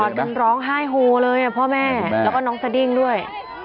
ก่อนก็ร้องไห้หูเลยอะพ่อแม่แล้วก็น้องสดิ้งด้วย